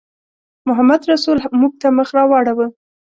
محمدرسول موږ ته مخ راواړاوه.